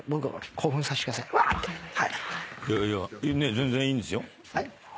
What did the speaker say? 全然いいんですよ。